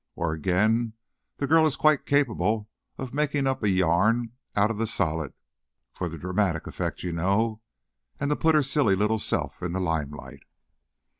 Or, again, the girl is quite capable of making up a yarn out of the solid. For the dramatic effect, you know, and to put her silly little self in the limelight."